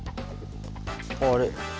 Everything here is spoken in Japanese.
あれ？